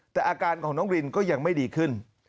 แต่อาการของน้องรินก็ยังไม่ดีขึ้น